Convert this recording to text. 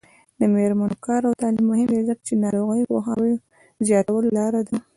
د میرمنو کار او تعلیم مهم دی ځکه چې ناروغیو پوهاوي زیاتولو لاره ده.